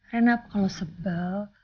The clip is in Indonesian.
rena kalau sebel